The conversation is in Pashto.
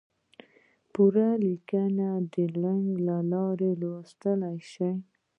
پوره لیکنه د دې لینک له لارې لوستی شئ!